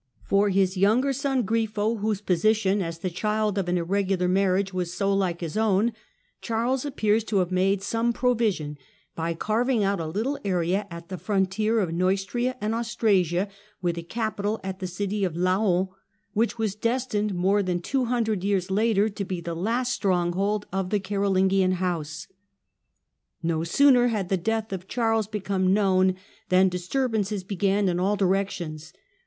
For his younger son, Grifo, whose position as the child of an irregular marriage was so like his own, Charles appears to have made some provision by carving out a little area at the frontier of Neustria and Austrasia, with a capital at the city of Laon, which was destined more than two hundred years later to be the last stronghold of the Carolingian house. 1N0 sooner had the death of Charles become known than disturbances began in all directions.